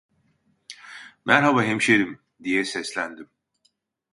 Merhaba hemşerim! diye seslendim.